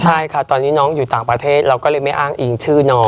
ใช่ค่ะตอนนี้น้องอยู่ต่างประเทศเราก็เลยไม่อ้างอิงชื่อน้อง